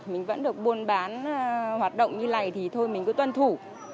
mình vẫn được buôn bán hoạt động như này thì thôi mình cứ tuân thủ